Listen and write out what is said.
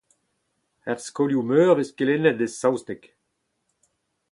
Er skolioù-meur e vez kelennet e saozneg.